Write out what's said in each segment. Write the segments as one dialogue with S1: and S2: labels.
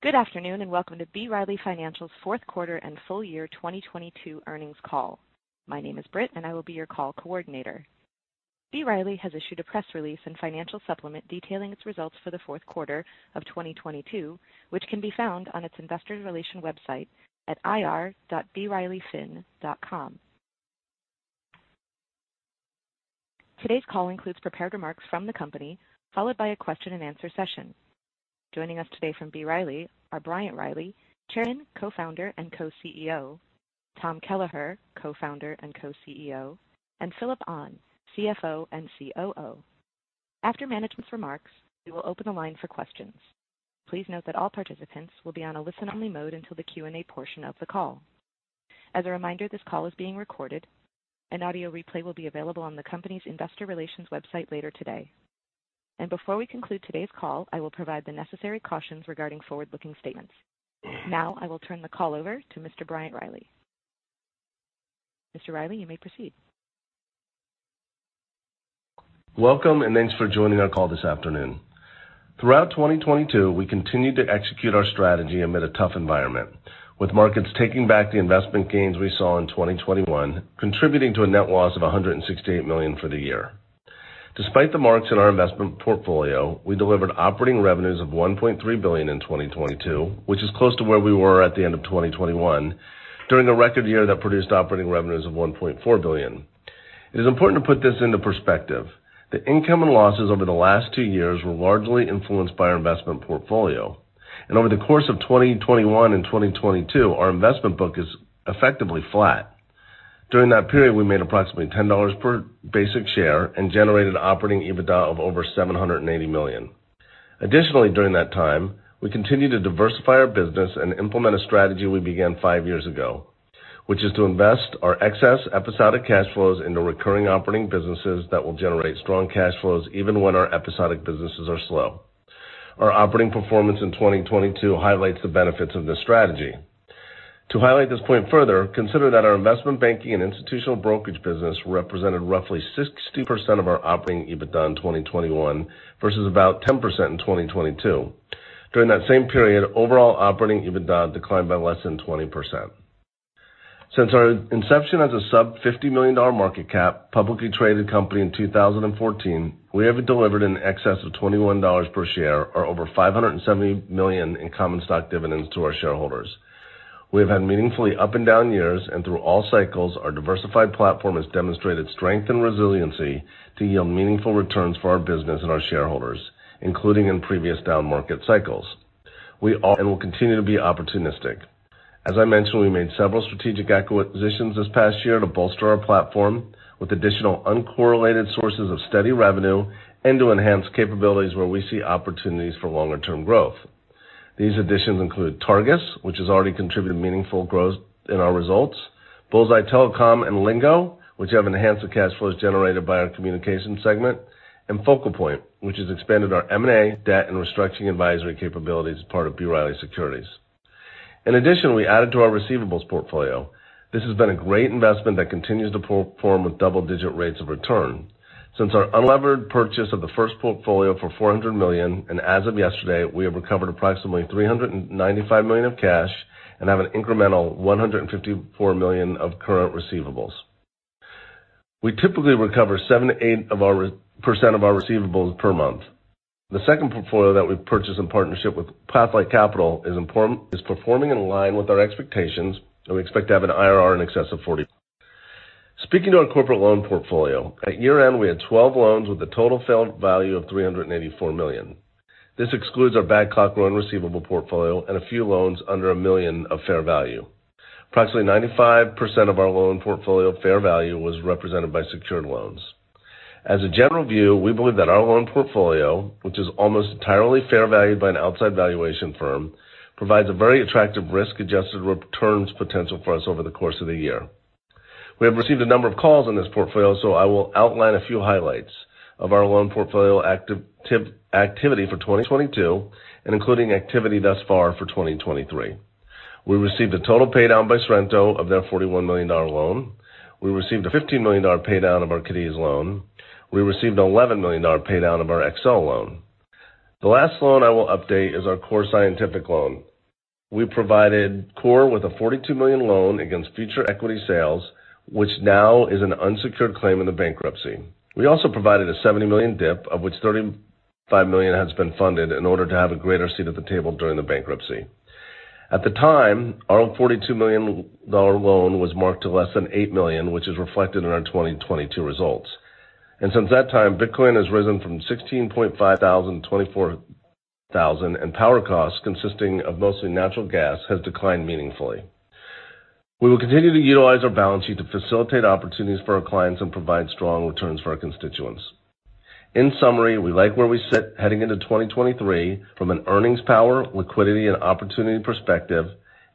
S1: Good afternoon, and welcome to B. Riley Financial's fourth quarter and full year 2022 earnings call. My name is Brit, and I will be your call coordinator. B. Riley has issued a press release and financial supplement detailing its results for the fourth quarter of 2022, which can be found on its investor relation website at ir.brileyfin.com. Today's call includes prepared remarks from the company, followed by a question-and-answer session. Joining us today from B. Riley are Bryant Riley, chairman, co-founder, and co-CEO, Tom Kelleher, co-founder and co-CEO, and Phillip Ahn, CFO and COO. After management's remarks, we will open the line for questions. Please note that all participants will be on a listen-only mode until the Q&A portion of the call. As a reminder, this call is being recorded. An audio replay will be available on the company's investor relations website later today. Before we conclude today's call, I will provide the necessary cautions regarding forward-looking statements. Now I will turn the call over to Mr. Bryant Riley. Mr. Riley, you may proceed.
S2: Welcome, and thanks for joining our call this afternoon. Throughout 2022, we continued to execute our strategy amid a tough environment, with markets taking back the investment gains we saw in 2021, contributing to a net loss of $168 million for the year. Despite the marks in our investment portfolio, we delivered operating revenues of $1.3 billion in 2022, which is close to where we were at the end of 2021 during a record year that produced operating revenues of $1.4 billion. It is important to put this into perspective. The income and losses over the last two years were largely influenced by our investment portfolio. Over the course of 2021 and 2022, our investment book is effectively flat. During that period, we made approximately $10 per basic share and generated operating EBITDA of over $780 million. Additionally, during that time, we continued to diversify our business and implement a strategy we began five years ago, which is to invest our excess episodic cash flows into recurring operating businesses that will generate strong cash flows even when our episodic businesses are slow. Our operating performance in 2022 highlights the benefits of this strategy. To highlight this point further, consider that our investment banking and institutional brokerage business represented roughly 60% of our operating EBITDA in 2021 versus about 10% in 2022. During that same period, overall operating EBITDA declined by less than 20%. Since our inception as a sub-$50 million market cap publicly traded company in 2014, we have delivered in excess of $21 per share or over $570 million in common stock dividends to our shareholders. We have had meaningfully up and down years, through all cycles, our diversified platform has demonstrated strength and resiliency to yield meaningful returns for our business and our shareholders, including in previous downmarket cycles. Will continue to be opportunistic. As I mentioned, we made several strategic acquisitions this past year to bolster our platform with additional uncorrelated sources of steady revenue and to enhance capabilities where we see opportunities for longer-term growth. These additions include Targus, which has already contributed meaningful growth in our results. BullsEye Telecom and Lingo, which have enhanced the cash flows generated by our communication segment, FocalPoint, which has expanded our M&A debt and restructuring advisory capabilities as part of B. Riley Securities. In addition, we added to our receivables portfolio. This has been a great investment that continues to perform with double-digit rates of return. Since our unlevered purchase of the first portfolio for $400 million, and as of yesterday, we have recovered approximately $395 million of cash and have an incremental $154 million of current receivables. We typically recover 7%-8% of our receivables per month. The second portfolio that we purchased in partnership with Pathlight Capital is performing in line with our expectations, and we expect to have an IRR in excess of 40. Speaking to our corporate loan portfolio, at year-end, we had 12 loans with a total failed value of $384 million. This excludes our Babcock loan receivable portfolio and a few loans under $1 million of fair value. Approximately 95% of our loan portfolio fair value was represented by secured loans. As a general view, we believe that our loan portfolio, which is almost entirely fair valued by an outside valuation firm, provides a very attractive risk-adjusted returns potential for us over the course of the year. I will outline a few highlights of our loan portfolio activity for 2022 and including activity thus far for 2023. We received a total paydown by Sorrento of their $41 million loan. We received a $15 million paydown of our Cadiz loan. We received $11 million paydown of our Excel loan. The last loan I will update is our Core Scientific loan. We provided Core with a $42 million loan against future equity sales, which now is an unsecured claim in the bankruptcy. We also provided a $70 million DIP, of which $35 million has been funded in order to have a greater seat at the table during the bankruptcy. At the time, our $42 million loan was marked to less than $8 million, which is reflected in our 2022 results. Since that time, Bitcoin has risen from $16,500 to $24,000, and power costs, consisting of mostly natural gas, has declined meaningfully. We will continue to utilize our balance sheet to facilitate opportunities for our clients and provide strong returns for our constituents. In summary, we like where we sit heading into 2023 from an earnings power, liquidity, and opportunity perspective,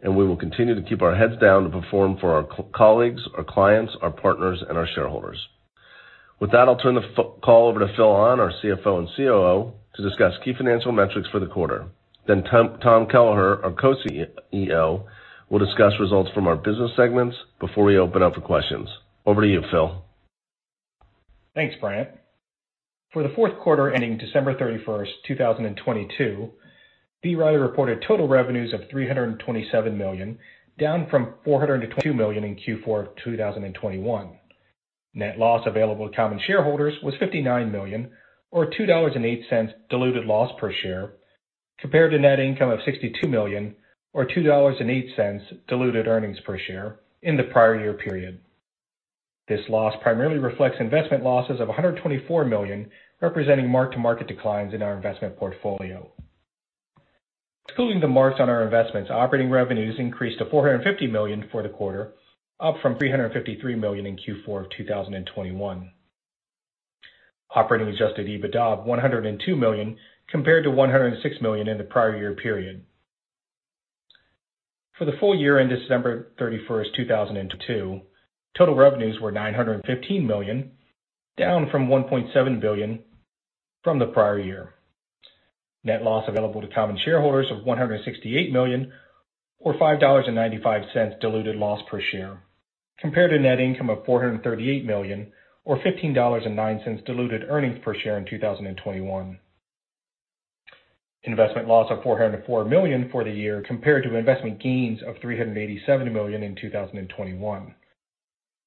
S2: and we will continue to keep our heads down to perform for our colleagues, our clients, our partners, and our shareholders. With that, I'll turn the call over to Phil Ahn, our CFO and COO, to discuss key financial metrics for the quarter. Tom Kelleher, our Co-CEO, will discuss results from our business segments before we open up for questions. Over to you, Phil.
S3: Thanks, Bryant. For the fourth quarter ending December 31, 2022, B. Riley reported total revenues of $327 million, down from $422 million in Q4 2021. Net loss available to common shareholders was $59 million or $2.08 diluted loss per share, compared to net income of $62 million or $2.08 diluted earnings per share in the prior year period. This loss primarily reflects investment losses of $124 million, representing mark-to-market declines in our investment portfolio. Excluding the marks on our investments, operating revenues increased to $450 million for the quarter, up from $353 million in Q4 2021. Operating adjusted EBITDA of $102 million compared to $106 million in the prior year period. For the full year end December 31st, 2022, total revenues were $915 million, down from $1.7 billion from the prior year. Net loss available to common shareholders of $168 million or $5.95 diluted loss per share, compared to net income of $438 million or $15.09 diluted earnings per share in 2021. Investment loss of $404 million for the year compared to investment gains of $387 million in 2021.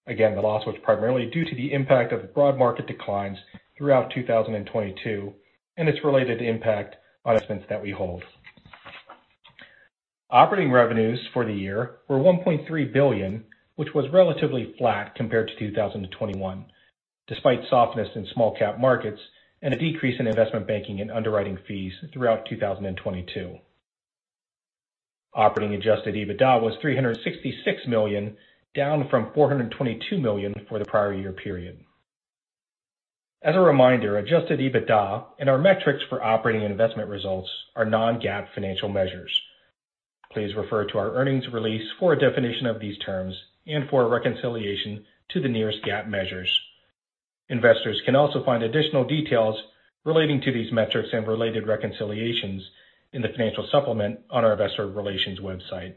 S3: Again, the loss was primarily due to the impact of broad market declines throughout 2022 and its related impact on investments that we hold. Operating revenues for the year were $1.3 billion, which was relatively flat compared to 2021, despite softness in small-cap markets and a decrease in investment banking and underwriting fees throughout 2022. Operating adjusted EBITDA was $366 million, down from $422 million for the prior year period. As a reminder, adjusted EBITDA and our metrics for operating investment results are non-GAAP financial measures. Please refer to our earnings release for a definition of these terms and for a reconciliation to the nearest GAAP measures. Investors can also find additional details relating to these metrics and related reconciliations in the financial supplement on our investor relations website.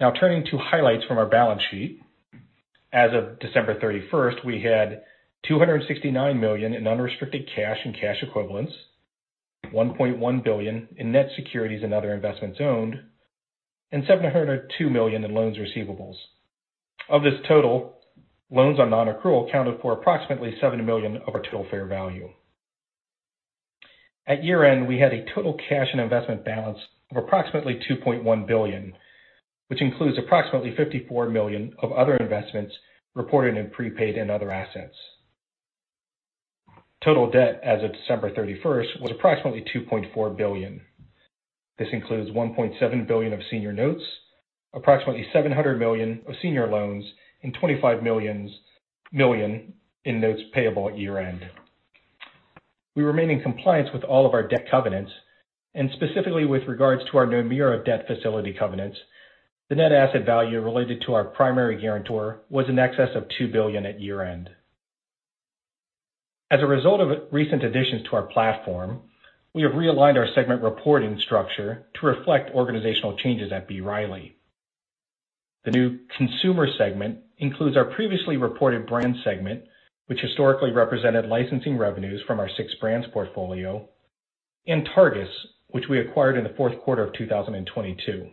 S3: Now turning to highlights from our balance sheet. As of December 31st, we had $269 million in unrestricted cash and cash equivalents, $1.1 billion in net securities and other investments owned, and $702 million in loans receivables. Of this total, loans on non-accrual accounted for approximately $70 million of our total fair value. At year-end, we had a total cash and investment balance of approximately $2.1 billion, which includes approximately $54 million of other investments reported in prepaid and other assets. Total debt as of December 31st was approximately $2.4 billion. This includes $1.7 billion of senior notes, approximately $700 million of senior loans, and $25 million in notes payable at year-end. We remain in compliance with all of our debt covenants, specifically with regards to our Nomura debt facility covenants, the net asset value related to our primary guarantor was in excess of $2 billion at year-end. As a result of recent additions to our platform, we have realigned our segment reporting structure to reflect organizational changes at B. Riley. The new consumer segment includes our previously reported brand segment, which historically represented licensing revenues from our six brands portfolio, and Targus, which we acquired in the fourth quarter of 2022.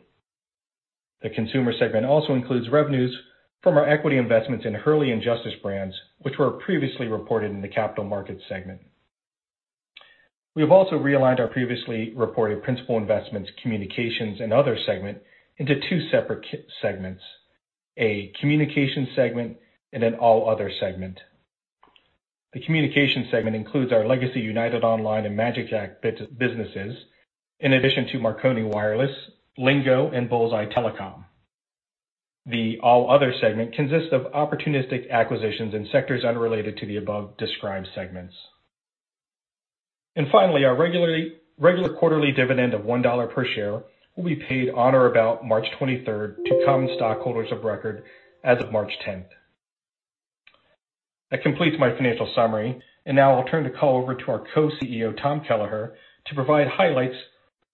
S3: The consumer segment also includes revenues from our equity investments in Hurley and Justice brands, which were previously reported in the capital market segment. We have also realigned our previously reported principal investments, communications, and other segment into two separate segments, a communications segment and an all other segment. The communications segment includes our legacy United Online and magicJack businesses, in addition to Marconi Wireless, Lingo, and BullsEye Telecom. The all other segment consists of opportunistic acquisitions in sectors unrelated to the above-described segments. Finally, our regular quarterly dividend of $1 per share will be paid on or about March 23rd to common stockholders of record as of March 10th. That completes my financial summary, and now I'll turn the call over to our co-CEO, Tom Kelleher, to provide highlights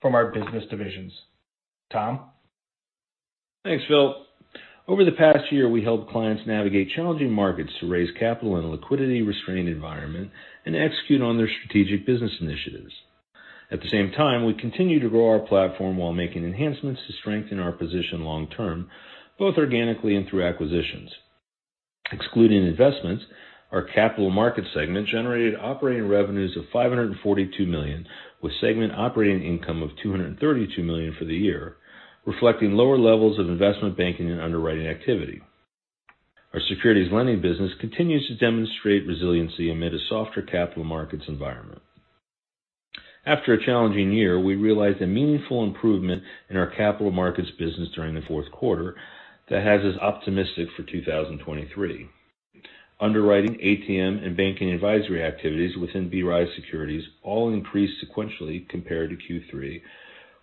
S3: from our business divisions. Tom?
S4: Thanks, Phil. Over the past year, we helped clients navigate challenging markets to raise capital in a liquidity-restrained environment and execute on their strategic business initiatives. At the same time, we continue to grow our platform while making enhancements to strengthen our position long term, both organically and through acquisitions. Excluding investments, our capital markets segment generated operating revenues of $542 million, with segment operating income of $232 million for the year, reflecting lower levels of investment banking and underwriting activity. Our securities lending business continues to demonstrate resiliency amid a softer capital markets environment. After a challenging year, we realized a meaningful improvement in our capital markets business during the fourth quarter that has us optimistic for 2023. Underwriting, ATM, and banking advisory activities within B. Riley Securities all increased sequentially compared to Q3.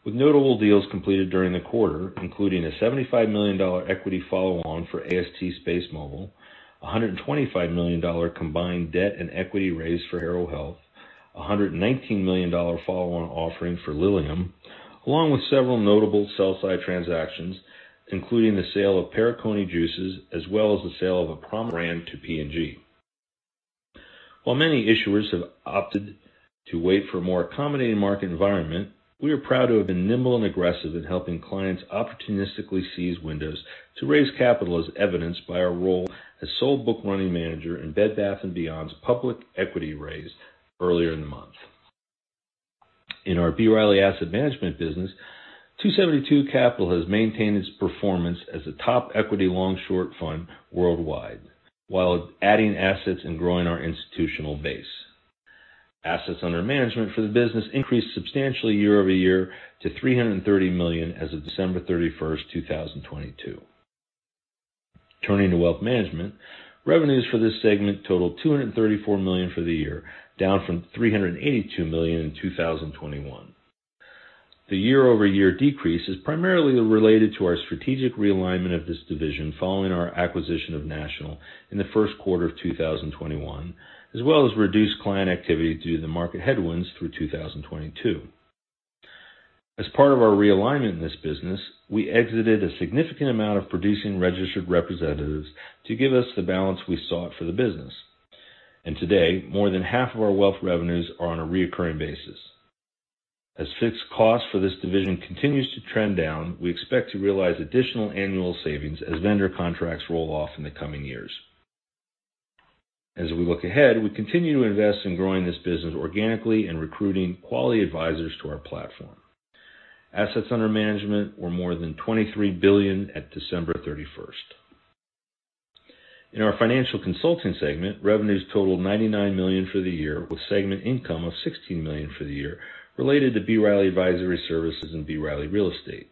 S4: With notable deals completed during the quarter, including a $75 million equity follow-on for AST SpaceMobile, a $125 million combined debt and equity raise for Harrow Health, a $119 million follow-on offering for Lilium, along with several notable sell-side transactions, including the sale of Perricone Juices, as well as the sale of a prominent brand to P&G. While many issuers have opted to wait for a more accommodating market environment, we are proud to have been nimble and aggressive in helping clients opportunistically seize windows to raise capital as evidenced by our role as sole book running manager in Bed Bath & Beyond's public equity raise earlier in the month. In our B. Riley Asset Management business, 272 Capital has maintained its performance as a top equity long short fund worldwide while adding assets and growing our institutional base. Assets under management for the business increased substantially year-over-year to $330 million as of December 31st, 2022. Turning to wealth management, revenues for this segment totaled $234 million for the year, down from $382 million in 2021. The year-over-year decrease is primarily related to our strategic realignment of this division following our acquisition of National in the first quarter of 2021, as well as reduced client activity due to the market headwinds through 2022. As part of our realignment in this business, we exited a significant amount of producing registered representatives to give us the balance we sought for the business. Today, more than half of our wealth revenues are on a reoccurring basis. As fixed costs for this division continues to trend down, we expect to realize additional annual savings as vendor contracts roll off in the coming years. As we look ahead, we continue to invest in growing this business organically and recruiting quality advisors to our platform. Assets under management were more than $23 billion at December 31st. In our financial consulting segment, revenues totaled $99 million for the year, with segment income of $16 million for the year related to B. Riley Advisory Services and B. Riley Real Estate.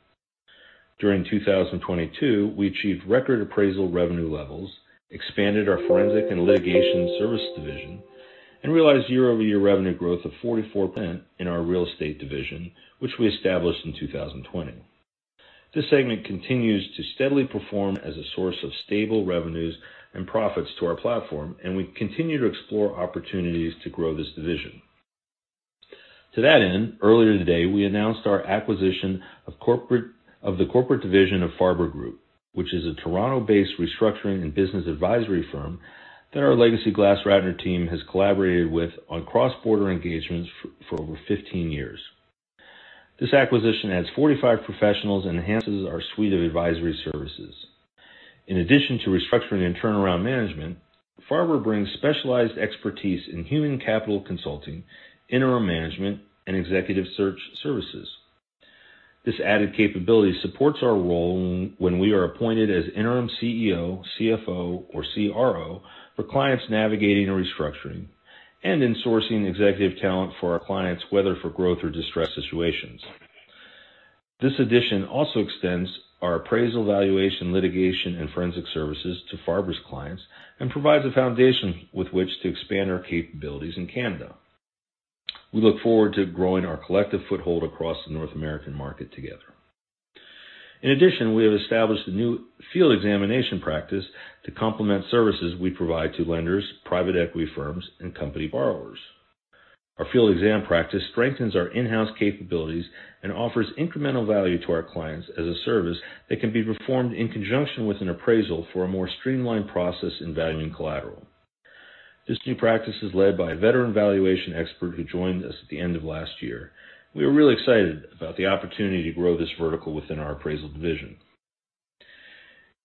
S4: During 2022, we achieved record appraisal revenue levels, expanded our forensic and litigation services division, and realized year-over-year revenue growth of 44% in our real estate division, which we established in 2020. This segment continues to steadily perform as a source of stable revenues and profits to our platform. We continue to explore opportunities to grow this division. To that end, earlier today, we announced our acquisition of the corporate division of Farber Group, which is a Toronto-based restructuring and business advisory firm that our legacy GlassRatner team has collaborated with on cross-border engagements for over 15 years. This acquisition adds 45 professionals and enhances our suite of advisory services. In addition to restructuring and turnaround management, Farber brings specialized expertise in human capital consulting, interim management, and executive search services. This added capability supports our role when we are appointed as interim CEO, CFO, or CRO for clients navigating a restructuring and in sourcing executive talent for our clients, whether for growth or distressed situations. This addition also extends our appraisal valuation, litigation, and forensic services to Farber's clients and provides a foundation with which to expand our capabilities in Canada. We look forward to growing our collective foothold across the North American market together. We have established a new field examination practice to complement services we provide to lenders, private equity firms, and company borrowers. Our field exam practice strengthens our in-house capabilities and offers incremental value to our clients as a service that can be performed in conjunction with an appraisal for a more streamlined process in valuing collateral. This new practice is led by a veteran valuation expert who joined us at the end of last year. We are really excited about the opportunity to grow this vertical within our appraisal division.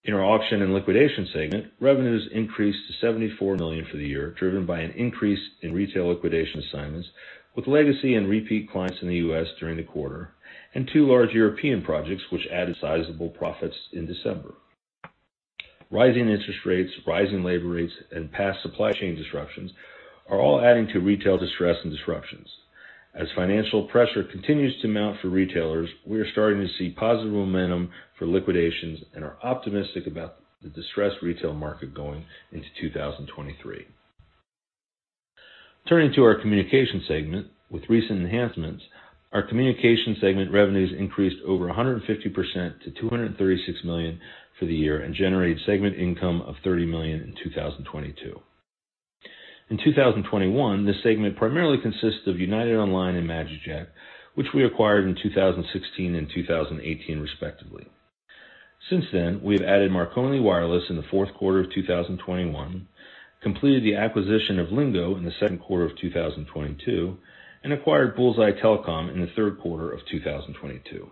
S4: In our auction and liquidation segment, revenues increased to $74 million for the year, driven by an increase in retail liquidation assignments with legacy and repeat clients in the U.S. during the quarter and two large European projects which added sizable profits in December. Rising interest rates, rising labor rates, and past supply chain disruptions are all adding to retail distress and disruptions. As financial pressure continues to mount for retailers, we are starting to see positive momentum for liquidations and are optimistic about the distressed retail market going into 2023. Turning to our communication segment. With recent enhancements, our communication segment revenues increased over 150% to $236 million for the year and generated segment income of $30 million in 2022. In 2021, this segment primarily consists of United Online and magicJack, which we acquired in 2016 and 2018 respectively. Since then, we have added Marconi Wireless in the fourth quarter of 2021, completed the acquisition of Lingo in the second quarter of 2022, and acquired BullsEye Telecom in the third quarter of 2022.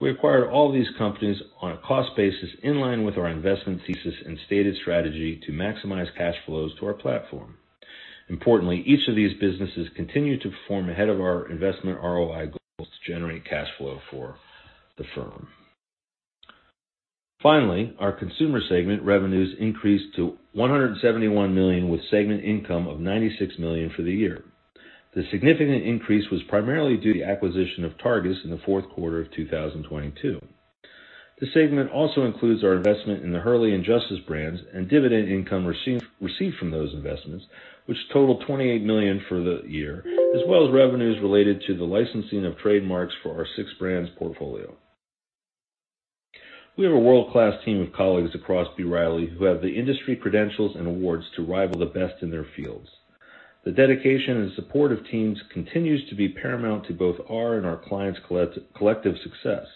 S4: We acquired all these companies on a cost basis in line with our investment thesis and stated strategy to maximize cash flows to our platform. Importantly, each of these businesses continue to perform ahead of our investment ROI goals to generate cash flow for the firm. Finally, our consumer segment revenues increased to $171 million, with segment income of $96 million for the year. The significant increase was primarily due to the acquisition of Targus in the fourth quarter of 2022. This segment also includes our investment in the Hurley and Justice brands and dividend income received from those investments, which totaled $28 million for the year, as well as revenues related to the licensing of trademarks for our six brands portfolio. We have a world-class team of colleagues across B. Riley who have the industry credentials and awards to rival the best in their fields. The dedication and support of teams continues to be paramount to both our and our clients collective success.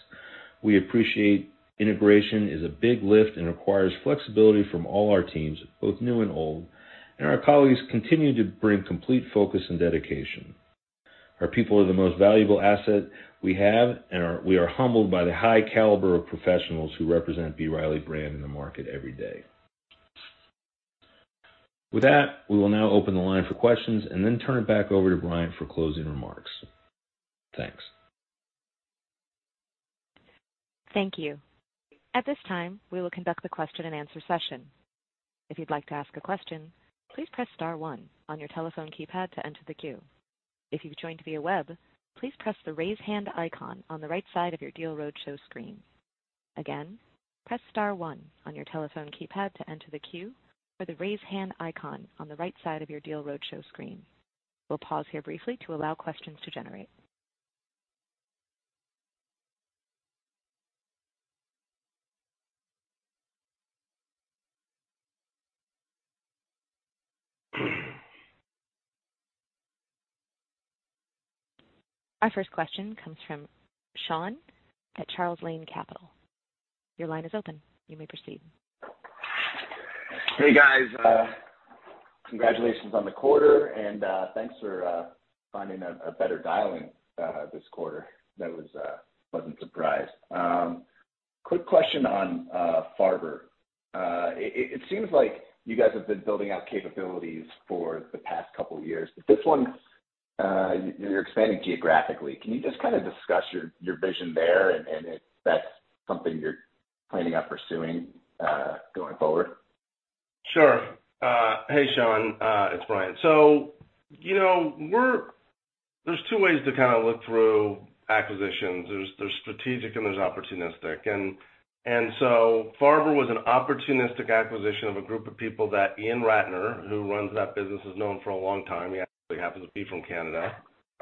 S4: We appreciate integration is a big lift and requires flexibility from all our teams, both new and old, and our colleagues continue to bring complete focus and dedication. Our people are the most valuable asset we have and we are humbled by the high caliber of professionals who represent B. Riley brand in the market every day. With that, we will now open the line for questions and then turn it back over to Bryant for closing remarks. Thanks.
S1: Thank you. At this time, we will conduct the question and answer session. If you'd like to ask a question, please press star one on your telephone keypad to enter the queue. If you've joined via web, please press the Raise Hand icon on the right side of your Deal Roadshow screen. Again, press star one on your telephone keypad to enter the queue or the Raise Hand icon on the right side of your Deal Roadshow screen. We'll pause here briefly to allow questions to generate. Our first question comes from Sean at Charles Lane Capital. Your line is open. You may proceed.
S5: Hey, guys, congratulations on the quarter. Thanks for finding a better dialing this quarter. That was. Wasn't surprised. Quick question on Farber. It seems like you guys have been building out capabilities for the past couple of years. This one's you're expanding geographically. Can you just kinda discuss your vision there and if that's something you're planning on pursuing going forward?
S2: Sure. Hey, Sean, it's Bryant. You know, there's two ways to kinda look through acquisitions. There's strategic and there's opportunistic. Farber was an opportunistic acquisition of a group of people that Ian Ratner, who runs that business, has known for a long time. He actually happens to be from Canada,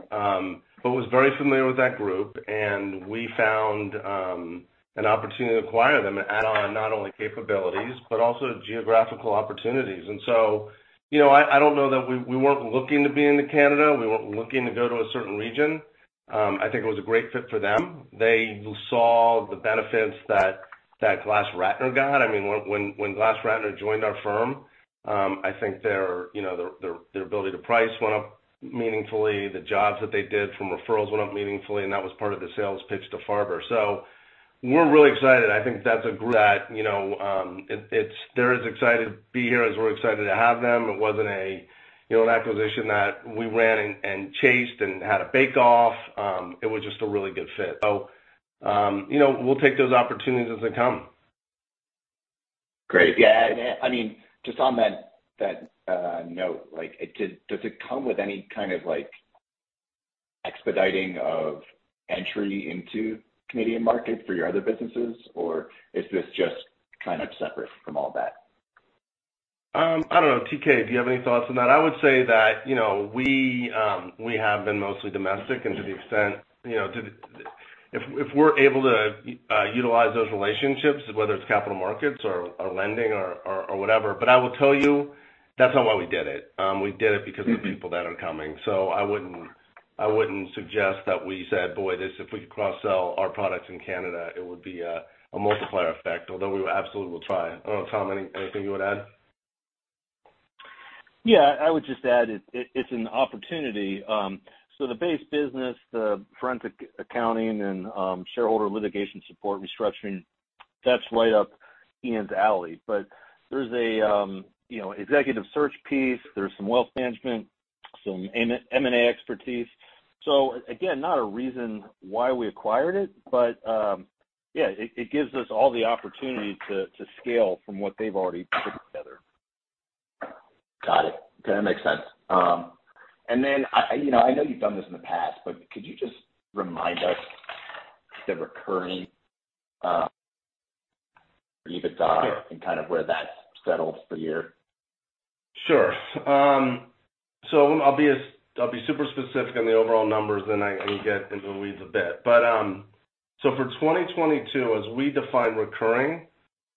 S2: but was very familiar with that group, and we found an opportunity to acquire them and add on not only capabilities, but also geographical opportunities. You know, I don't know that we weren't looking to be into Canada. We weren't looking to go to a certain region. I think it was a great fit for them. They saw the benefits that GlassRatner got. I mean, when GlassRatner joined our firm, I think their, you know, their ability to price went up meaningfully. The jobs that they did from referrals went up meaningfully, that was part of the sales pitch to Farber. We're really excited. I think that's a great, you know, they're as excited to be here as we're excited to have them. It wasn't a, you know, an acquisition that we ran and chased and had a bake-off. It was just a really good fit. You know, we'll take those opportunities as they come.
S5: Great. Yeah. I mean, just on that note, like, does it come with any kind of like expediting of entry into Canadian market for your other businesses, or is this just kind of separate from all that?
S2: I don't know. TK, do you have any thoughts on that? I would say that, you know, we have been mostly domestic and to the extent, you know, if we're able to utilize those relationships, whether it's capital markets or lending or whatever. I will tell you, that's not why we did it. We did it because of the people that are coming. I wouldn't suggest that we said, "Boy, this, if we could cross-sell our products in Canada, it would be a multiplier effect," although we absolutely will try. I don't know, Tom, anything you would add?
S4: Yeah, I would just add it's an opportunity. The base business, the forensic accounting and shareholder litigation support restructuring, that's right up Ian's alley. There's a, you know, executive search piece. There's some wealth management, some M&A expertise. Again, not a reason why we acquired it, yeah, it gives us all the opportunity to scale from what they've already put together.
S5: Got it. Okay. That makes sense. I, you know, I know you've done this in the past, but could you just remind us the recurring, EBITDA and kind of where that settles for year?
S2: Sure. I'll be super specific on the overall numbers then I get into the weeds a bit. For 2022, as we define recurring, it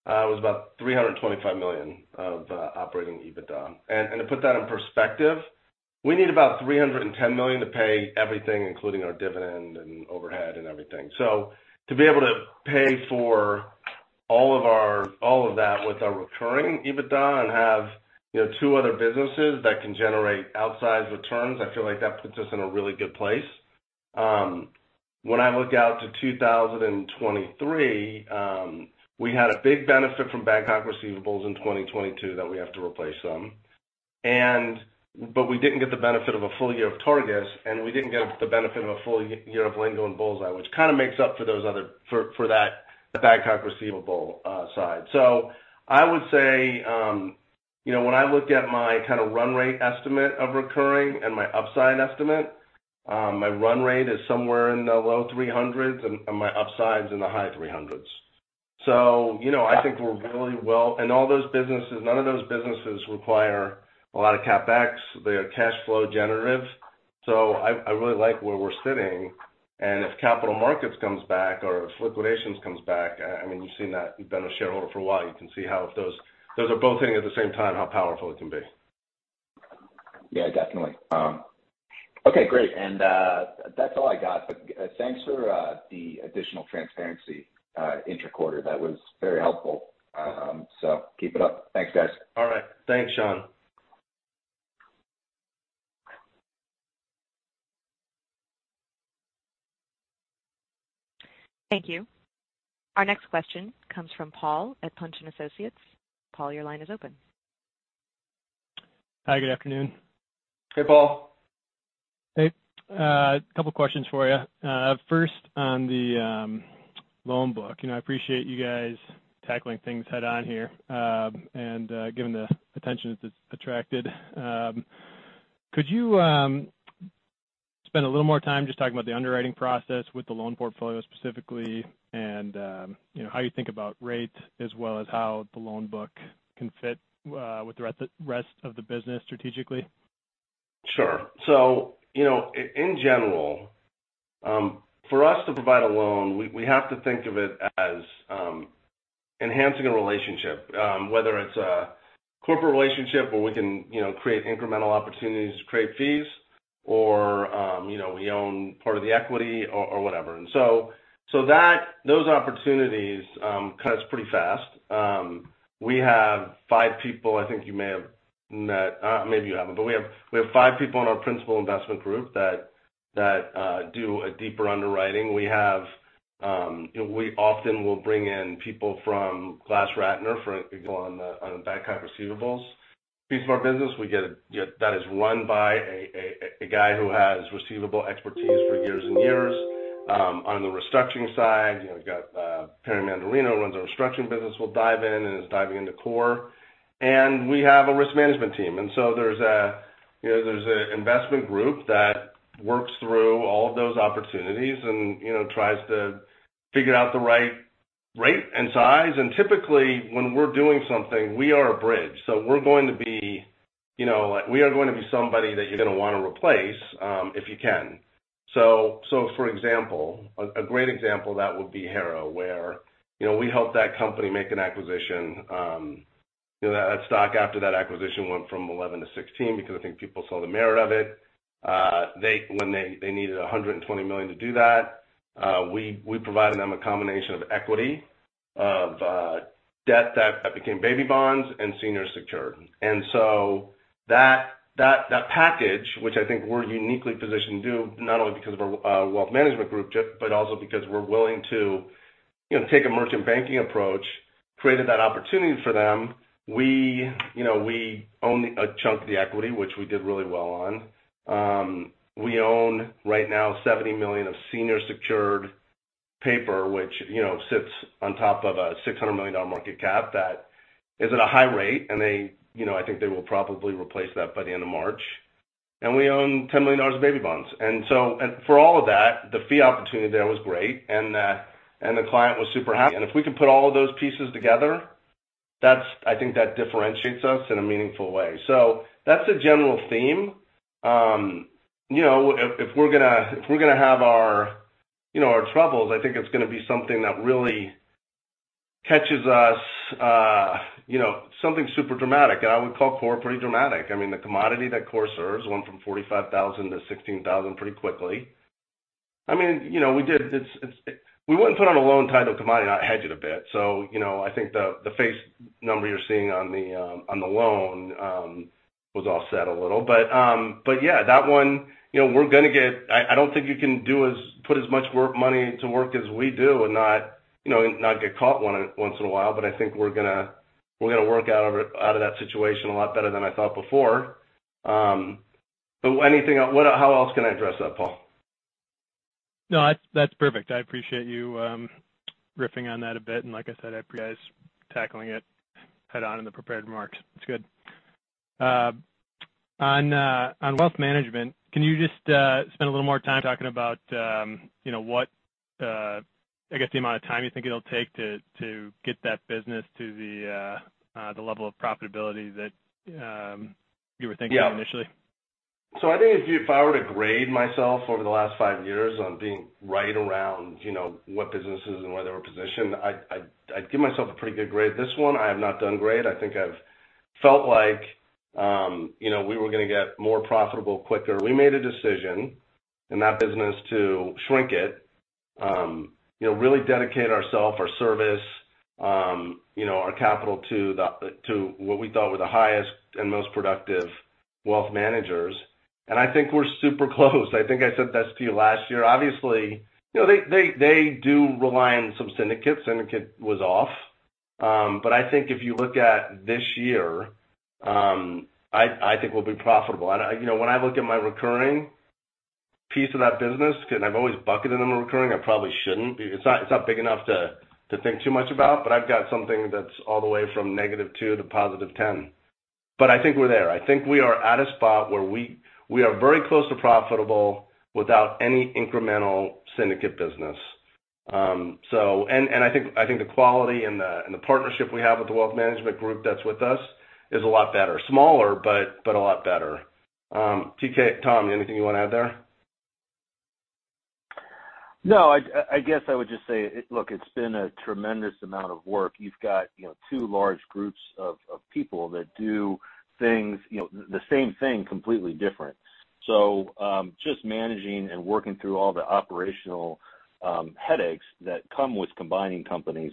S2: was about $325 million of operating EBITDA. To put that in perspective, we need about $310 million to pay everything, including our dividend and overhead and everything. To be able to pay for all of that with our recurring EBITDA and have, you know, two other businesses that can generate outsized returns, I feel like that puts us in a really good place. When I look out to 2023, we had a big benefit from Babcock receivables in 2022 that we have to replace them. We didn't get the benefit of a full year of Targus, and we didn't get the benefit of a full year of Lingo and BullsEye, which kind of makes up for that, the Babcock receivable side. I would say, you know, when I look at my kind of run rate estimate of recurring and my upside estimate, my run rate is somewhere in the low $300s and my upside is in the high $300s. You know, I think we're really well. All those businesses, none of those businesses require a lot of CapEx. They are cash flow generative. I really like where we're sitting. If capital markets comes back or if liquidations comes back, I mean, you've seen that. You've been a shareholder for a while. You can see how if those are both hitting at the same time, how powerful it can be.
S5: Yeah, definitely. okay, great. That's all I got. Thanks for the additional transparency intra-quarter. That was very helpful. Keep it up. Thanks, guys.
S2: All right. Thanks, Sean.
S1: Thank you. Our next question comes from Paul at Punch and Associates. Paul, your line is open.
S6: Hi. Good afternoon.
S2: Hey, Paul.
S6: Hey. A couple questions for you. First on the loan book. You know, I appreciate you guys tackling things head-on here, and given the attention it's attracted. Could you spend a little more time just talking about the underwriting process with the loan portfolio specifically and, you know, how you think about rates as well as how the loan book can fit with the rest of the business strategically?
S2: Sure. You know, in general, for us to provide a loan, we have to think of it as enhancing a relationship, whether it's a corporate relationship where we can, you know, create incremental opportunities to create fees or, you know, we own part of the equity or whatever. Those opportunities cut us pretty fast. We have five people I think you may have met. Maybe you haven't. We have five people in our principal investment group that do a deeper underwriting. We have, we often will bring in people from GlassRatner for example, on the bad kind of receivables. Piece of our business, that is run by a guy who has receivable expertise for years and years. On the restructuring side, you know, we've got Perry Mandarino, who runs our restructuring business, will dive in and is diving into Core Scientific. We have a risk management team. There's a, you know, there's an investment group that works through all of those opportunities and, you know, tries to figure out the right rate and size. Typically, when we're doing something, we are a bridge. So we're going to be somebody that you're gonna wanna replace, if you can. For example, a great example of that would be Harrow, where, you know, we helped that company make an acquisition, you know. That stock after that acquisition went from $11 to $16 because I think people saw the merit of it. When they needed $120 million to do that, we provided them a combination of equity, of debt that became baby bonds and senior secured. That package, which I think we're uniquely positioned to do, not only because of our wealth management group, but also because we're willing to, you know, take a merchant banking approach, created that opportunity for them. We, you know, we own a chunk of the equity, which we did really well on. We own right now $70 million of senior secured paper, which, you know, sits on top of a $600 million market cap that is at a high rate. They, you know, I think they will probably replace that by the end of March. We own $10 million of baby bonds. For all of that, the fee opportunity there was great, and the client was super happy. If we can put all of those pieces together, I think that differentiates us in a meaningful way. That's a general theme. You know, if we're gonna, if we're gonna have our, you know, our troubles, I think it's gonna be something that really catches us, you know, something super dramatic. I would call Core Scientific pretty dramatic. I mean, the commodity that Core Scientific serves went from $45,000 to $16,000 pretty quickly. I mean, you know, we wouldn't put on a loan title commodity, not hedge it a bit. You know, I think the face number you're seeing on the loan was all set a little. Yeah, that one, you know, I don't think you can put as much money to work as we do and not, you know, not get caught once in a while. I think we're gonna work out of that situation a lot better than I thought before. How else can I address that, Paul?
S6: No, that's perfect. I appreciate you riffing on that a bit. Like I said, I appreciate you guys tackling it head-on in the prepared remarks. It's good. On wealth management, can you just spend a little more time talking about, you know, what I guess the amount of time you think it'll take to get that business to the level of profitability that you were thinking of initially?
S2: Yeah. I think if I were to grade myself over the last five years on being right around, you know, what businesses and where they were positioned, I'd give myself a pretty good grade. This one, I have not done great. I think I've felt like, you know, we were gonna get more profitable quicker. We made a decision in that business to shrink it, you know, really dedicate ourself, our service, you know, our capital to the, to what we thought were the highest and most productive wealth managers. I think we're super close. I think I said this to you last year. Obviously, you know, they do rely on some syndicates, and it was off. I think if you look at this year, I think we'll be profitable. I, you know, when I look at my recurring piece of that business, because I've always bucketed them in recurring, I probably shouldn't. It's not, it's not big enough to think too much about, but I've got something that's all the way from -2 to +10. I think we're there. I think we are at a spot where we are very close to profitable without any incremental syndicate business. I think the quality and the partnership we have with the wealth management group that's with us is a lot better. Smaller, but a lot better. TK, Tom, anything you wanna add there?
S4: I guess I would just say, look, it's been a tremendous amount of work. You've got, you know, two large groups of people that do things, you know, the same thing completely different. Just managing and working through all the operational headaches that come with combining companies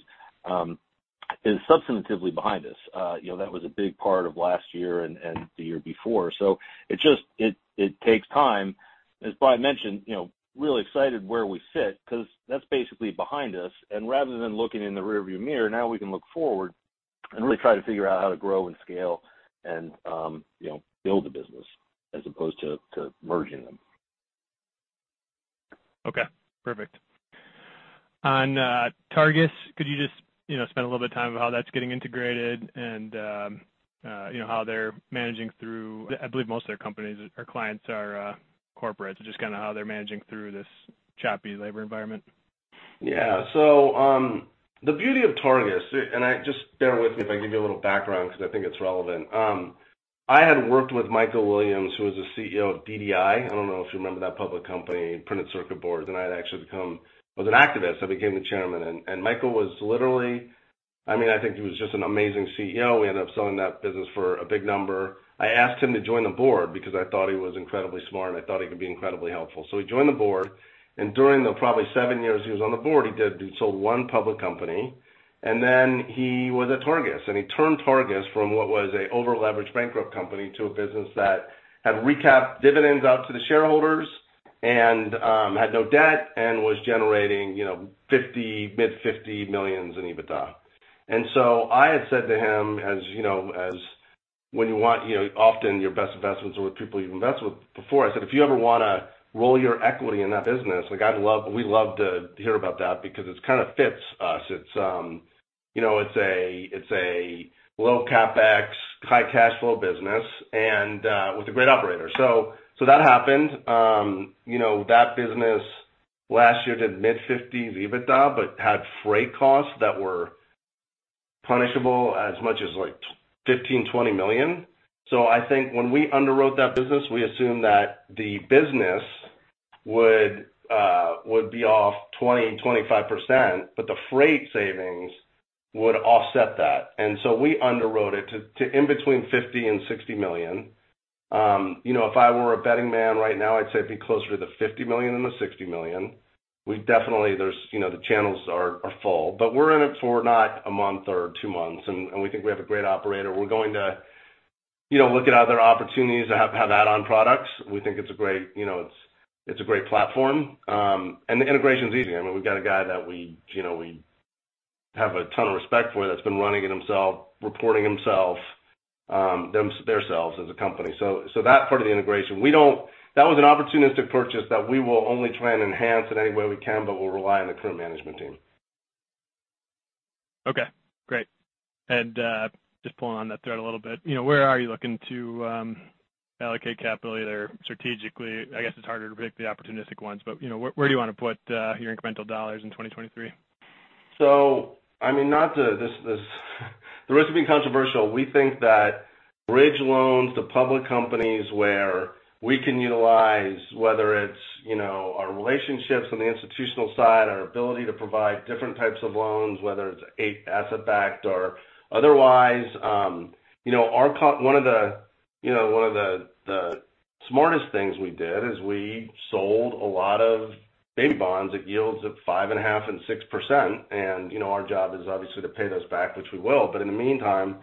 S4: is substantively behind us. You know, that was a big part of last year and the year before. It takes time. As Brian mentioned, you know, really excited where we sit because that's basically behind us. Rather than looking in the rearview mirror, now we can look forward and really try to figure out how to grow and scale and, you know, build the business as opposed to merging them.
S6: Okay, perfect. On Targus, could you just, you know, spend a little bit of time on how that's getting integrated and, you know, how they're managing through. I believe most of their companies or clients are corporate. Just kinda how they're managing through this choppy labor environment.
S2: Yeah. The beauty of Targus, and I just bear with me if I give you a little background 'cause I think it's relevant. I had worked with Michael Williams, who was the CEO of DDi. I don't know if you remember that public company, printed circuit boards. I had actually become was an activist. I became the chairman. Michael was literally, I mean, I think he was just an amazing CEO. We ended up selling that business for a big number. I asked him to join the board because I thought he was incredibly smart, and I thought he could be incredibly helpful. He joined the board, and during the probably seven years he was on the board, he sold one public company, and then he was at Targus, and he turned Targus from what was an overleveraged bankrupt company to a business that had recapped dividends out to the shareholders and had no debt and was generating, you know, $50, mid-$50 million in EBITDA. I had said to him, as, you know, as when you want, you know, often your best investments are with people you've invested with before. I said, "If you ever wanna roll your equity in that business, like we'd love to hear about that because it's kind of fits us." It's, you know, it's a low CapEx, high cash flow business and with a great operator. That happened, you know, that business last year did mid-$50 million EBITDA but had freight costs that were punishable as much as, like, $15 million-$20 million. I think when we underwrote that business, we assumed that the business would be off 20%-25%, but the freight savings would offset that. We underwrote it in between $50 million and $60 million. you know, if I were a betting man right now, I'd say it'd be closer to the $50 million than the $60 million. There's, you know, the channels are full. We're in it for not a month or two months, and we think we have a great operator. We're going to, you know, look at other opportunities to have add-on products. We think it's a great, you know, it's a great platform. The integration's easy. I mean, we've got a guy that we, you know, we have a ton of respect for, that's been running it himself, reporting himself, theirselves as a company. That part of the integration, That was an opportunistic purchase that we will only try and enhance in any way we can, but we'll rely on the current management team.
S6: Okay, great. Just pulling on that thread a little bit, you know, where are you looking to allocate capital either strategically, I guess it's harder to pick the opportunistic ones, but, you know, where do you wanna put your incremental $ in 2023?
S2: I mean, this the risk of being controversial, we think that bridge loans to public companies where we can utilize, whether it's, you know, our relationships on the institutional side, our ability to provide different types of loans, whether it's asset backed or otherwise. you know, one of the, you know, one of the smartest things we did is we sold a lot of baby bonds at yields of 5.5% and 6%. you know, our job is obviously to pay those back, which we will. In the meantime,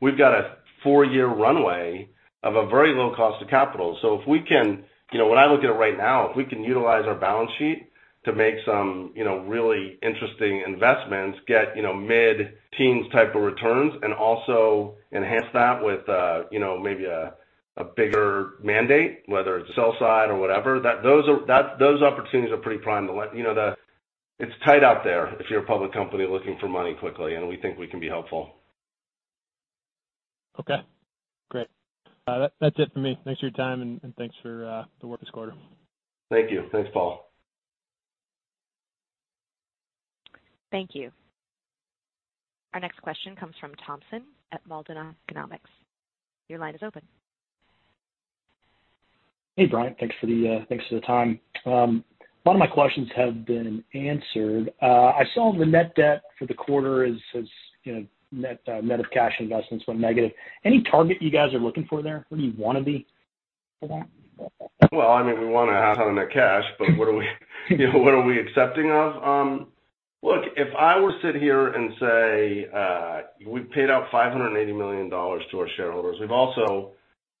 S2: we've got a four-year runway of a very low cost of capital. If we can... You know, when I look at it right now, if we can utilize our balance sheet to make some, you know, really interesting investments, get, you know, mid-teens type of returns, and also enhance that with, you know, maybe a bigger mandate, whether it's sell side or whatever, those opportunities are pretty prime, you know. It's tight out there if you're a public company looking for money quickly, and we think we can be helpful.
S6: Okay, great. That's it for me. Thanks for your time, and thanks for the work this quarter.
S2: Thank you. Thanks, Paul.
S1: Thank you. Our next question comes from Thompson at [Moldova Economics]. Your line is open.
S7: Hey, Bryant. Thanks for the, thanks for the time. A lot of my questions have been answered. I saw the net debt for the quarter is, you know, net of cash investments went negative. Any target you guys are looking for there? Where do you wanna be for that?
S2: Well, I mean, we wanna have ton of net cash, but what are we, you know, what are we accepting of? Look, if I were to sit here and say, we paid out $580 million to our shareholders.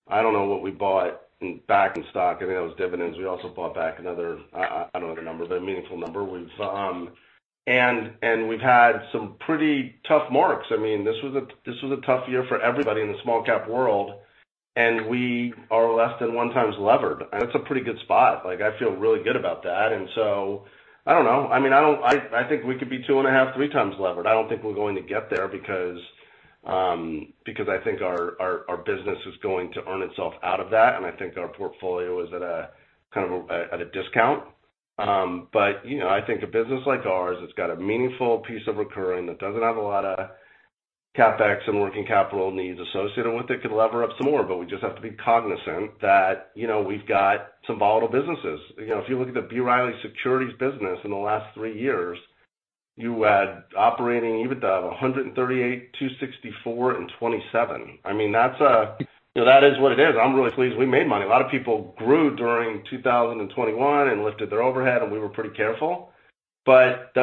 S2: I don't know what we bought in back in stock. I think that was dividends. We also bought back another, I don't know the number, but a meaningful number. We've had some pretty tough marks. I mean, this was a tough year for everybody in the small cap world. We are less than 1x levered, and that's a pretty good spot. Like, I feel really good about that. I don't know. I mean, I think we could be 2.5x, 3x levered. I don't think we're going to get there because I think our business is going to earn itself out of that. I think our portfolio is at a, kind of a, at a discount. You know, I think a business like ours that's got a meaningful piece of recurring that doesn't have a lot of CapEx and working capital needs associated with it could lever up some more, but we just have to be cognizant that, you know, we've got some volatile businesses. You know, if you look at the B. Riley Securities business in the last three years, you had operating EBITDA of $138, $264, and $27. I mean, that's. You know, that is what it is. I'm really pleased we made money. A lot of people grew during 2021 and lifted their overhead, we were pretty careful. That's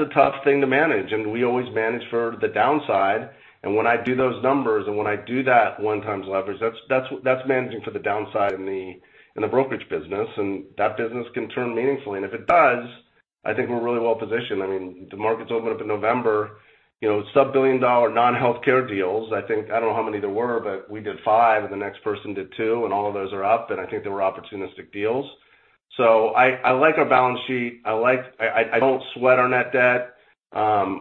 S2: a tough thing to manage, and we always manage for the downside. When I do those numbers and when I do that 1x leverage, that's managing for the downside in the, in the brokerage business. That business can turn meaningfully. If it does, I think we're really well positioned. I mean, the markets open up in November. You know, sub-$1 billion non-healthcare deals, I think, I don't know how many there were, but we did five, and the next person did two, and all of those are up. I think they were opportunistic deals. I like our balance sheet. I like. I don't sweat our net debt.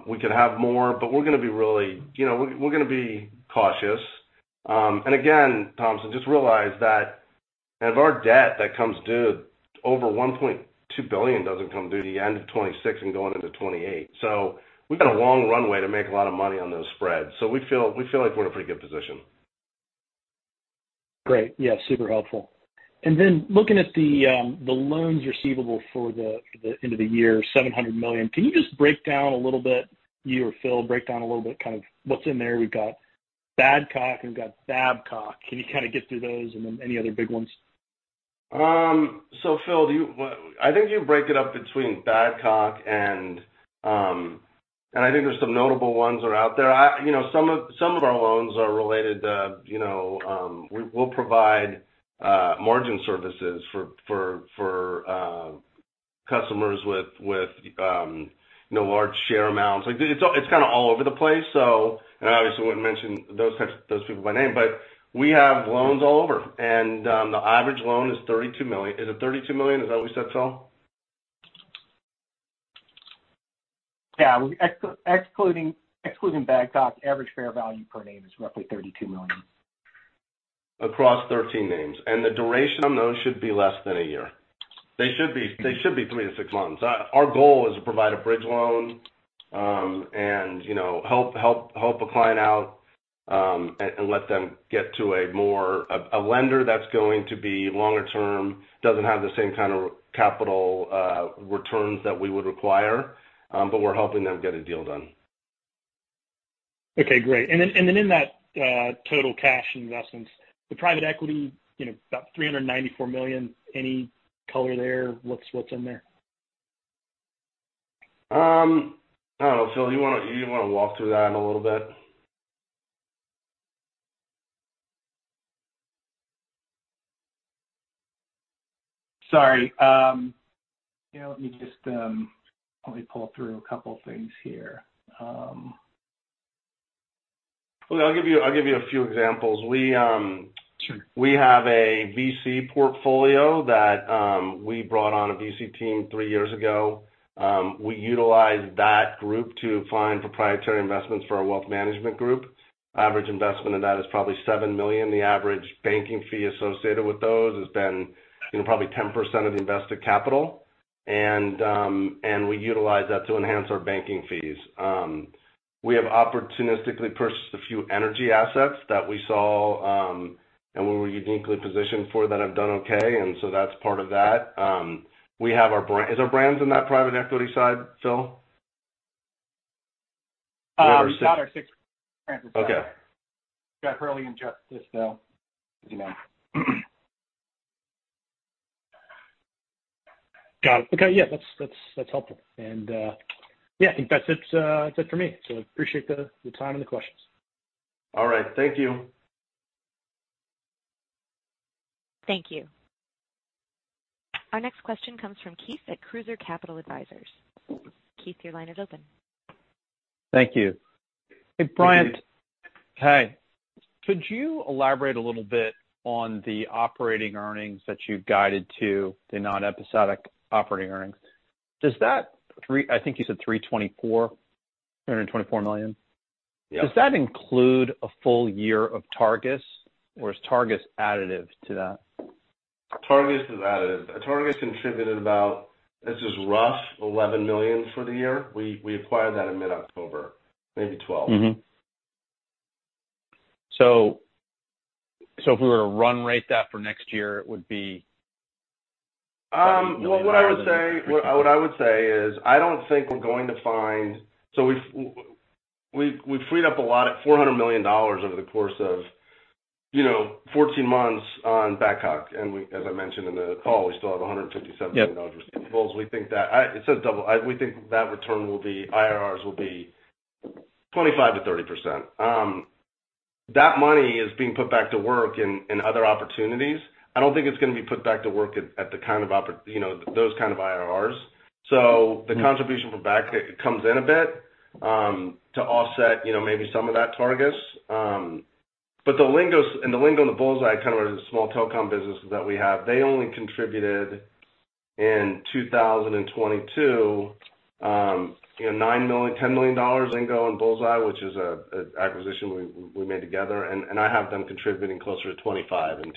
S2: We could have more, but we're gonna be really. You know, we're gonna be cautious. Again, just realize that of our debt that comes due, over $1.2 billion doesn't come due at the end of 2026 and going into 2028. We've got a long runway to make a lot of money on those spreads. We feel like we're in a pretty good position.
S7: Great. Yeah, super helpful. Looking at the loans receivable for the end of the year, $700 million. Can you just break down a little bit, you or Phil, break down a little bit kind of what's in there? We've got Badcock and we've got Babcock. Can you kind of get through those and then any other big ones?
S2: Phil, do you, well, I think you break it up between Badcock and I think there's some notable ones are out there. You know, some of our loans are related to, you know, we'll provide margin services for customers with, you know, large share amounts. Like, it's kind of all over the place. I obviously wouldn't mention those types, those people by name. We have loans all over, and the average loan is $32 million. Is it $32 million? Is that what we said, Phil?
S3: Yeah. Excluding Badcock's average fair value per name is roughly $32 million.
S2: Across 13 names. The duration on those should be less than a year. They should be three to six months. Our goal is to provide a bridge loan, and, you know, help a client out, and let them get to a more. A lender that's going to be longer term, doesn't have the same kind of capital, returns that we would require, We're helping them get a deal done.
S7: Okay, great. In that, total cash investments, the private equity, you know, about $394 million, any color there? What's in there?
S2: I don't know. Phil, you wanna walk through that in a little bit?
S3: Sorry. Yeah, let me just, let me pull through a couple things here.
S2: Well, I'll give you, I'll give you a few examples. We.
S7: Sure.
S2: We have a VC portfolio that. We brought on a VC team three years ago. We utilized that group to find proprietary investments for our wealth management group. Average investment in that is probably $7 million. The average banking fee associated with those has been, you know, probably 10% of the invested capital. We utilize that to enhance our banking fees. We have opportunistically purchased a few energy assets that we saw, and we were uniquely positioned for that have done okay. That's part of that. Is our brands in that private equity side, Phillip?
S3: We've got our Six Brands as well.
S2: Okay.
S3: We've got Hurley and Justice, though, you know.
S7: Got it. Okay. Yeah, that's helpful. Yeah, I think that's it for me. I appreciate the time and the questions.
S2: All right. Thank you.
S1: Thank you. Our next question comes from Keith at Cruiser Capital Advisors. Keith, your line is open.
S8: Thank you.
S2: Hi, Keith.
S8: Hey, Bryant. Hey. Could you elaborate a little bit on the operating earnings that you've guided to the non-episodic operating earnings? Does that, I think you said $324 million?
S2: Yeah.
S8: Does that include a full year of Targus, or is Targus additive to that?
S2: Targus is additive. Targus contributed about, this is rough, $11 million for the year. We acquired that in mid-October, maybe $12 million.
S8: If we were to run rate that for next year, it would be $20 million.
S2: Well, what I would say is, I don't think we're going to find. We've freed up a lot at $400 million over the course of, you know, 14 months on Badcock. We, as I mentioned in the call, we still have $157 million receivables.
S8: Yeah.
S2: We think that It says double. We think that return will be, IRRs will be 25%-30%. That money is being put back to work in other opportunities. I don't think it's gonna be put back to work at the kind of you know, those kind of IRRs. The contribution from Badcock comes in a bit. To offset, you know, maybe some of that Targus. The Lingo and the BullsEye kind of are the small telecom businesses that we have, they only contributed in 2022, you know, $9 million, $10 million in Lingo and BullsEye, which is a acquisition we made together. I have them contributing closer to 25 in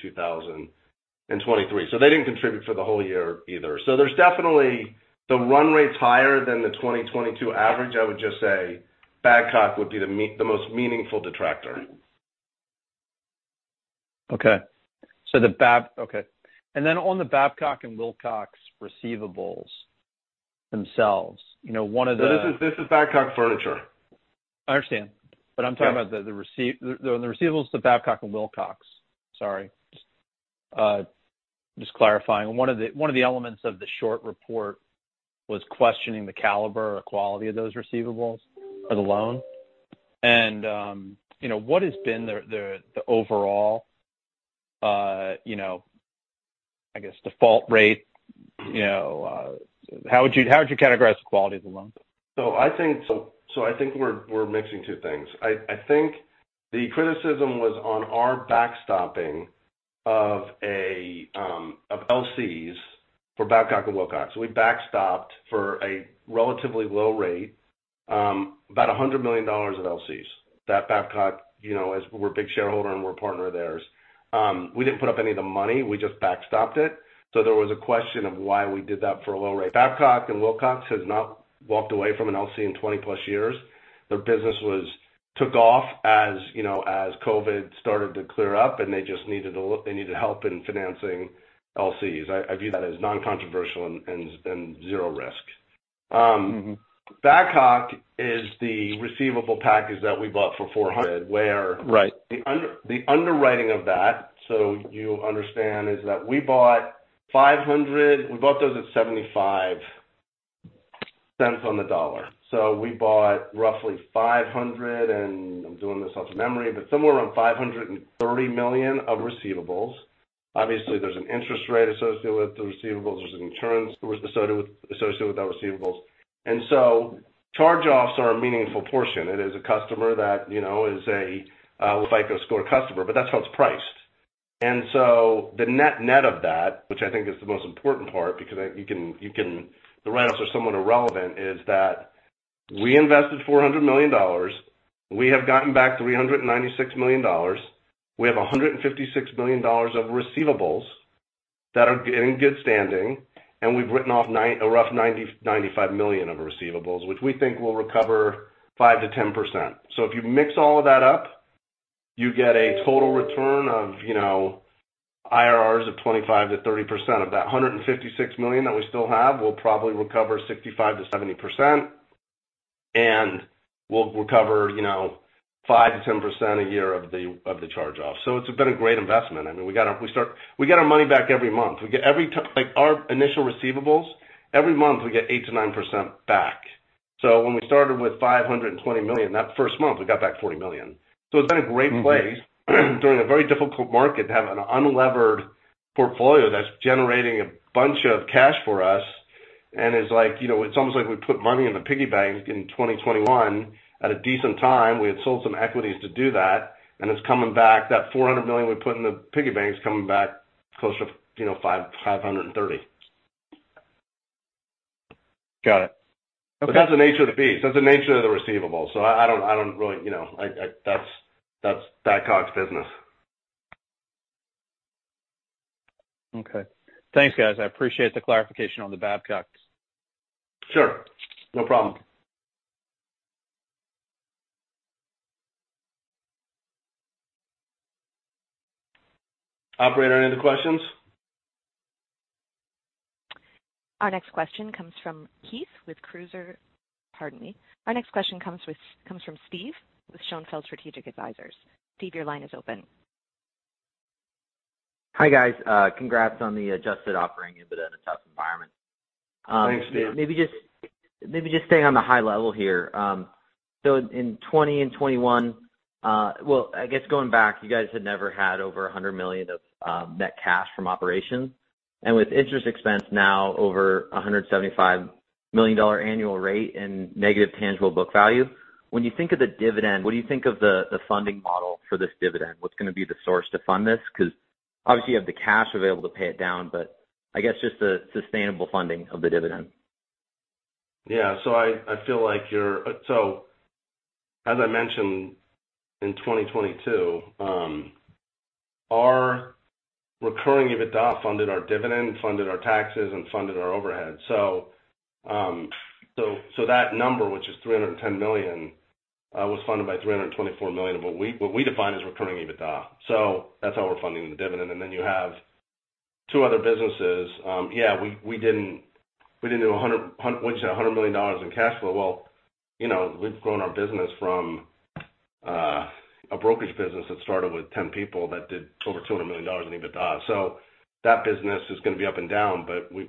S2: 2023. They didn't contribute for the whole year either. There's definitely the run rate's higher than the 2022 average. I would just say Babcock would be the most meaningful detractor.
S8: Okay. okay. On the Babcock & Wilcox receivables themselves, you know, one of the.
S2: This is Badcock Furniture.
S8: I understand. I'm talking about the receivables to Babcock & Wilcox. Sorry. Just clarifying. One of the elements of the short report was questioning the caliber or quality of those receivables or the loan. You know, what has been the overall, you know, I guess, default rate, you know, how would you categorize the quality of the loans?
S2: I think we're mixing two things. I think the criticism was on our backstopping of LCs for Babcock and Wilcox. We backstopped for a relatively low rate, about $100 million of LCs. That Babcock, you know, as we're a big shareholder and we're a partner of theirs, we didn't put up any of the money. We just backstopped it. There was a question of why we did that for a low rate. Babcock and Wilcox has not walked away from an LC in 20-plus years. Their business took off, as, you know, as COVID started to clear up, and they just needed help in financing LCs. I view that as non-controversial and zero risk.
S8: Mm-hmm.
S2: Babcock is the receivable package that we bought for $400.
S8: Right.
S2: The underwriting of that, so you understand, is that we bought 500. We bought those at $0.75 on the dollar. We bought roughly, and I'm doing this off memory, but somewhere around $530 million of receivables. Obviously, there's an interest rate associated with the receivables. There's an insurance associated with that receivables. Charge-offs are a meaningful portion. It is a customer that, you know, is a FICO score customer, but that's how it's priced. The net-net of that, which I think is the most important part, because you can. The write-offs are somewhat irrelevant, is that we invested $400 million. We have gotten back $396 million. We have $156 million of receivables that are in good standing, and we've written off a rough $90 million-$95 million of receivables, which we think will recover 5%-10%. If you mix all of that up, you get a total return of, you know, IRRs of 25%-30%. Of that $156 million that we still have, we'll probably recover 65%-70%, and we'll recover, you know, 5%-10% a year of the charge-off. It's been a great investment. I mean, we get our money back every month. We get like, our initial receivables, every month, we get 8%-9% back. When we started with $520 million, that first month, we got back $40 million. It's been a great place during a very difficult market to have an unlevered portfolio that's generating a bunch of cash for us and is like, you know, it's almost like we put money in the piggy bank in 2021 at a decent time. We had sold some equities to do that, and it's coming back. That $400 million we put in the piggy bank is coming back close to, you know, $530 million.
S8: Got it. Okay.
S2: That's the nature of the beast. That's the nature of the receivable. I don't really, you know. That's Babcock's business.
S8: Okay. Thanks, guys. I appreciate the clarification on the Babcock.
S2: Sure. No problem. Operator, any other questions?
S1: Our next question comes from Keith with Cruiser. Pardon me. Our next question comes from Steve with Schonfeld Strategic Advisors. Steve, your line is open.
S9: Hi, guys, congrats on the adjusted operating EBITDA in a tough environment.
S2: Thanks, Steve.
S9: Maybe just staying on the high level here. In 2020 and 2021, well, I guess going back, you guys had never had over $100 million of net cash from operations. With interest expense now over $175 million annual rate and negative tangible book value, when you think of the dividend, what do you think of the funding model for this dividend? What's gonna be the source to fund this? Because obviously you have the cash available to pay it down, but I guess just the sustainable funding of the dividend.
S2: Yeah. I feel like you're... as I mentioned, in 2022, our recurring EBITDA funded our dividend, funded our taxes, and funded our overhead. That number, which is $310 million, was funded by $324 million of what we, what we define as recurring EBITDA. That's how we're funding the dividend. Then you have two other businesses. Yeah, we didn't do $100 million, what'd you say? $100 million in cash flow. Well, you know, we've grown our business from, a brokerage business that started with 10 people that did over $200 million in EBITDA. That business is gonna be up and down, but we...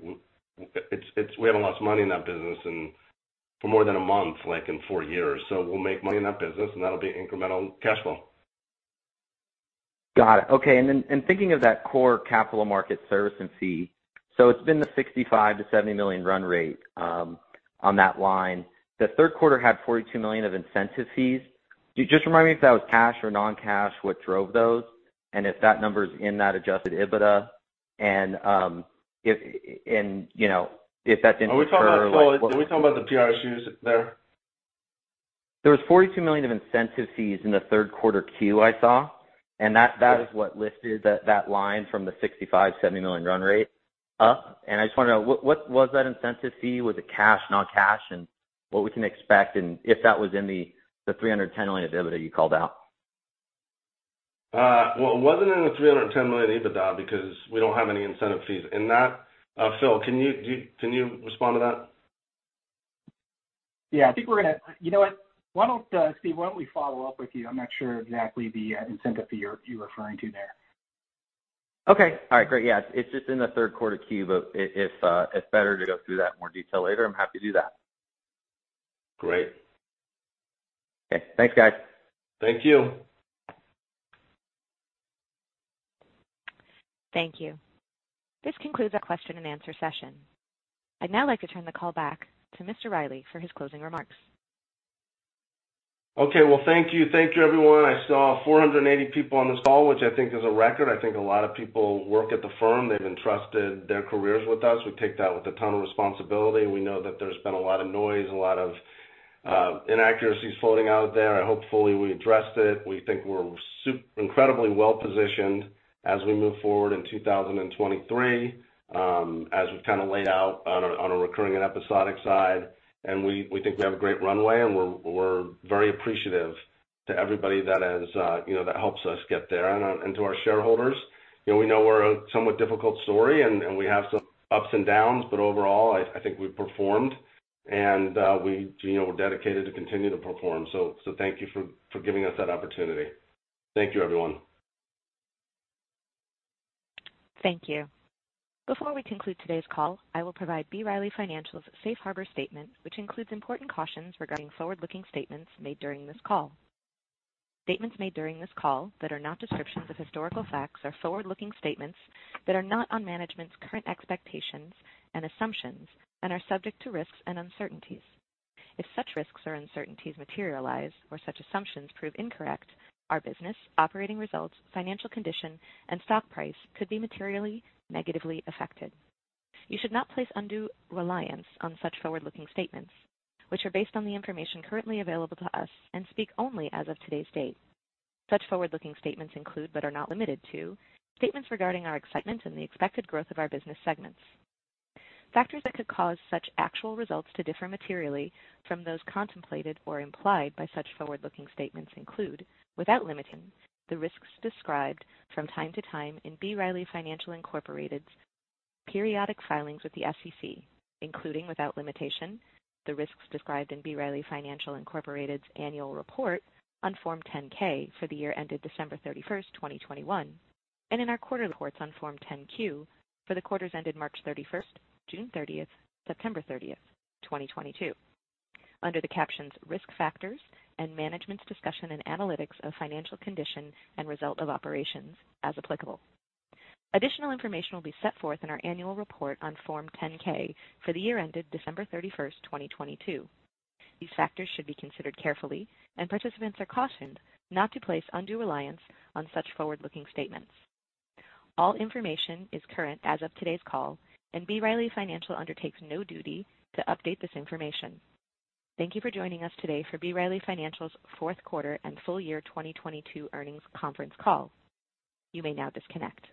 S2: We haven't lost money in that business and for more than a month, like in four years. We'll make money in that business, and that'll be incremental cash flow.
S9: Got it. Okay. Then, and thinking of that core capital market service and fee. It's been the $65 million-$70 million run rate on that line. The third quarter had $42 million of incentive fees. Could you just remind me if that was cash or non-cash, what drove those? If that number is in that adjusted EBITDA and, if, you know, if that's in-
S2: Are we talking about the PRSUs there?
S9: There was $42 million of incentive fees in the third quarter Q, I saw. That is what lifted that line from the $65 million-$70 million run rate up. I just wanna know what was that incentive fee? Was it cash, non-cash, and what we can expect and if that was in the $310 million of EBITDA you called out.
S2: Well, it wasn't in the $310 million EBITDA because we don't have any incentive fees. In that, Phil, can you respond to that?
S3: Yeah, I think we're gonna. You know what? Why don't, Steve, why don't we follow up with you? I'm not sure exactly the incentive fee you're referring to there.
S9: Okay. All right. Great. Yeah, it's just in the third quarter Q, but if it's better to go through that in more detail later, I'm happy to do that.
S2: Great.
S9: Okay. Thanks, guys.
S2: Thank you.
S1: Thank you. This concludes our question and answer session. I'd now like to turn the call back to Mr. Riley for his closing remarks.
S2: Okay. Well, thank you. Thank you, everyone. I saw 480 people on this call, which I think is a record. I think a lot of people work at the firm. They've entrusted their careers with us. We take that with a ton of responsibility. We know that there's been a lot of noise, a lot of inaccuracies floating out there. Hopefully, we addressed it. We think we're incredibly well-positioned as we move forward in 2023, as we've kinda laid out on a, on a recurring and episodic side. We think we have a great runway, and we're very appreciative to everybody that has, you know, that helps us get there. To our shareholders, you know, we know we're a somewhat difficult story, and we have some ups and downs, but overall, I think we've performed and, we, you know, we're dedicated to continue to perform. Thank you for giving us that opportunity. Thank you, everyone.
S1: Thank you. Before we conclude today's call, I will provide B. Riley Financial's Safe Harbor statement, which includes important cautions regarding forward-looking statements made during this call. Statements made during this call that are not descriptions of historical facts are forward-looking statements that are not on management's current expectations and assumptions and are subject to risks and uncertainties. If such risks or uncertainties materialize or such assumptions prove incorrect, our business, operating results, financial condition, and stock price could be materially negatively affected. You should not place undue reliance on such forward-looking statements, which are based on the information currently available to us and speak only as of today's date. Such forward-looking statements include, but are not limited to, statements regarding our excitement and the expected growth of our business segments. Factors that could cause such actual results to differ materially from those contemplated or implied by such forward-looking statements include, without limiting, the risks described from time to time in B. Riley Financial Incorporated's periodic filings with the SEC, including, without limitation, the risks described in B. Riley Financial Incorporated's annual report on Form 10-K for the year ended December 31st, 2021, and in our quarterly reports on Form 10-Q for the quarters ended March 31st, June 30th, September 30th, 2022, under the captions Risk Factors and Management's Discussion and Analysis of Financial Condition and Results of Operations, as applicable. Additional information will be set forth in our annual report on Form 10-K for the year ended December 31st, 2022. These factors should be considered carefully, and participants are cautioned not to place undue reliance on such forward-looking statements. All information is current as of today's call, and B. Riley Financial undertakes no duty to update this information. Thank you for joining us today for B. Riley Financial's fourth quarter and full year 2022 earnings conference call. You may now disconnect.